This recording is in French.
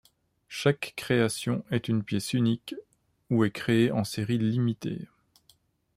Chaque création est une pièce unique, ou est créée en série limitée.